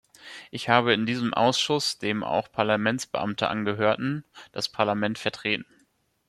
Ich habe in diesem Ausschuss, dem auch Parlamentsbeamte angehörten, das Parlament vertreten.